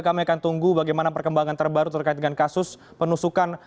kami akan tunggu bagaimana perkembangan terbaru terkait dengan kasus penusukan